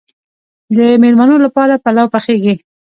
د میلمنو لپاره پلو پخیږي.